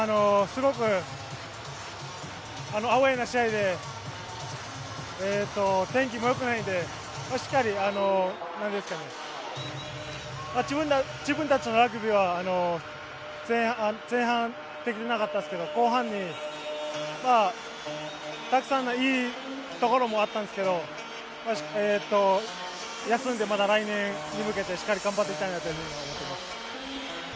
すごくアウェーな試合で、天気も良くないんで、しっかり、自分たちのラグビーは前半、できていなかったですけど、後半にたくさんの良いところもあったんですけど、休んで、また来年に向けて頑張っていきたいなと思います。